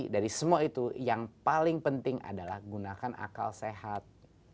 dari semua itu yang paling penting adalah gunakan akal sehat